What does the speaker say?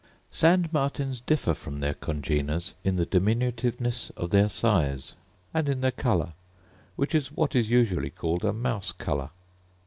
Sand martins differ from their congeners in the diminutiveness of their size, and in their colour, which is what is usually called a mouse colour.